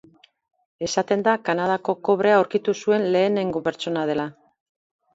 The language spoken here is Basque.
Esaten da Kanadako kobrea aurkitu zuen lehenengo pertsona dela.